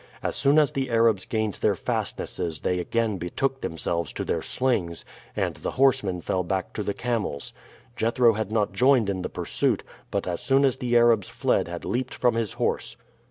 As soon as the Arabs gained their fastnesses they again betook themselves to their slings, and the horsemen fell back to the camels. Jethro had not joined in the pursuit, but as soon as the Arabs fled had leaped from his horse.